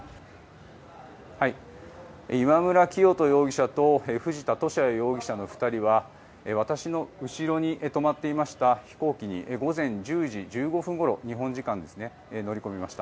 今村磨人容疑者と藤田聖也容疑者の２人は私の後ろに止まっていました飛行機に日本時間午前１０時１５分ごろ乗り込みました。